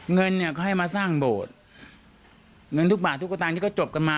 เงินเนี่ยเขาให้มาสร้างโบสถ์เงินทุกบาททุกสตางค์ที่เขาจบกันมา